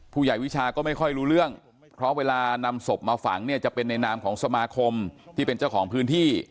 วิชาก็ไม่ค่อยรู้เรื่องเพราะเวลานำศพมาฝังเนี่ยจะเป็นในนามของสมาคมที่เป็นเจ้าของพื้นที่